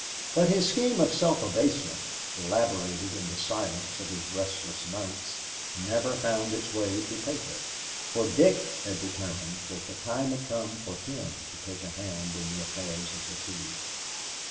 But his scheme of self abasement elaborated in the silence of his restless nights never found its way to paper, for Dick had determined that the time had come for him to take a hand in the affairs of the two.